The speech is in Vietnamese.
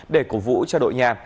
để cổ vũ cho đội nhà